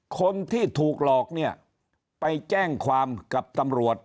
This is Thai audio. คนที่ถูกหลอกเนี่ยไปแจ้งความกับตำรวจ